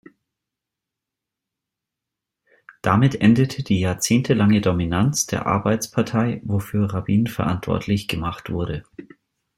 Damit endete die jahrzehntelange Dominanz der Arbeitspartei, wofür Rabin verantwortlich gemacht wurde.